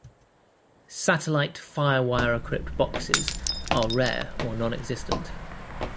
Satellite FireWire-equipped boxes are rare or nonexistent.